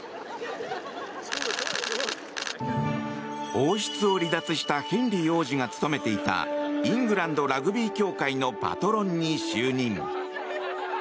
王室を離脱したヘンリー王子が務めていたイングランド・ラグビー協会のパトロンに就任。